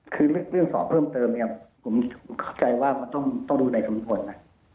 คือเวลาสอบเพิ่มเติมได้ความใจว่ามันต้องดูในซ้มพลวน